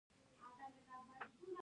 د غوږ د خارش لپاره د سرسونو تېل وکاروئ